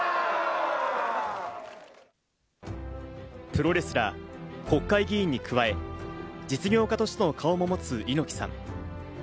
プロレスラー、国会議員に加え、実業家としての顔も持つ猪木さん。